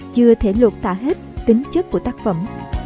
chưa thể luộc tả hết tính chất của tác phẩm